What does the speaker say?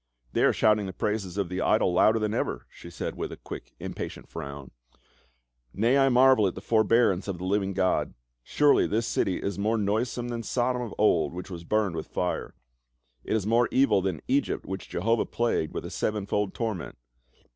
"They are shouting the praises of the idol louder than ever," she said with a quick impatient frown. " Nay I marvel at the for bearance of the living God. Surely this city is more noisome than Sodom of old which was burned witli fire ; it is more evil than Egypt which Jeho\ah 24 370 PA UL. plagued with a sevenfold torment.